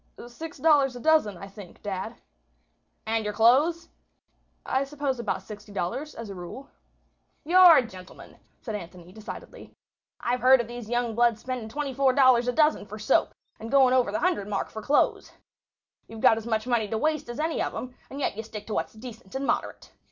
"Six dollars a dozen, I think, dad." "And your clothes?" "I suppose about sixty dollars, as a rule." "You're a gentleman," said Anthony, decidedly. "I've heard of these young bloods spending $24 a dozen for soap, and going over the hundred mark for clothes. You've got as much money to waste as any of 'em, and yet you stick to what's decent and moderate.